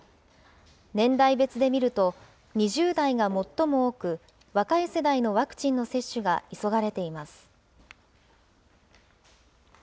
年代別で見ると、２０代が最も多く、若い世代のワクチンの接種が急がれています。